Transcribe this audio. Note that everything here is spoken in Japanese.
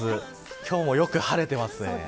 今日もよく晴れていますね。